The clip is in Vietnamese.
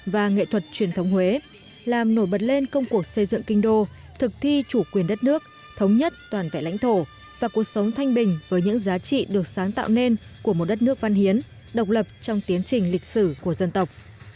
và nghệ thuật truyền thống huế làm nổi bật lên công cuộc xây dựng kinh đô thực thi chủ quyền đất nước thống nhất toàn vẹn lãnh thổ và cuộc sống thanh bình với những giá trị được sáng tạo nên của một đất nước văn hiến độc lập trong tiến trình lịch sử của dân tộc